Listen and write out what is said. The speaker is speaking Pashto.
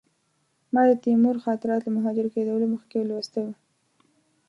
ما د تیمور خاطرات له مهاجر کېدلو مخکې لوستي وو.